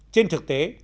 trên thực tế